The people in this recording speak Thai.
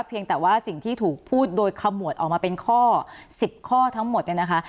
เพียงแต่ว่าสิ่งที่ถูกพูดโดยขมวดออกมาเป็นข้อ๑๐ข้อทั้งหมดเนี่ยนะคะ